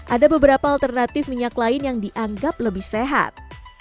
ada beberapa alternatif minyak lain yang dianggap lebih sehat